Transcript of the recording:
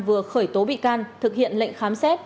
vừa khởi tố bị can thực hiện lệnh khám xét